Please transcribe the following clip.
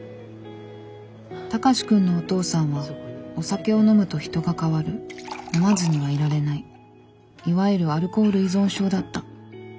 高志くんのお父さんはお酒を飲むと人が変わる飲まずにはいられないいわゆるアルコール依存症だった。